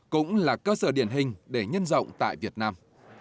cũng là cơ sở điển hình để nhân rộng tại việt nam